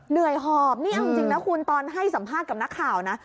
หอบนี่เอาจริงนะคุณตอนให้สัมภาษณ์กับนักข่าวนะ